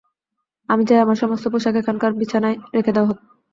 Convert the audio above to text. আমি চাই আমার সমস্ত পোশাক এখানকার বিছানায় রেখে দেওয়া হোক।